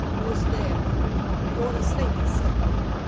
"Who's there?" "Warder Slater, sir."